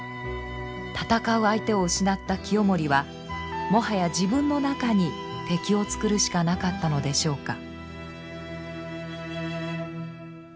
戦う相手を失った清盛はもはや自分の中に敵を作るしかなかったのでしょうか。